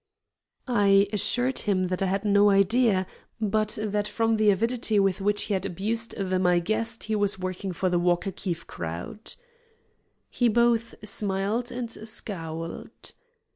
I assured him that I had no idea, but that from the avidity with which he had abused them I guessed he was working for the Walker Keefe crowd. He both smiled and scowled.